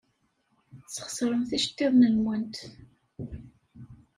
Tesxeṣremt iceḍḍiḍen-nwent.